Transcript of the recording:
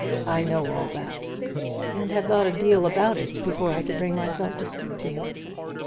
I know all that, and have thought a deal about it before I could bring myself to speak to you.